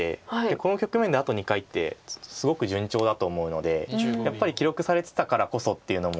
この局面であと２回ってすごく順調だと思うのでやっぱり記録されてたからこそっていうのも。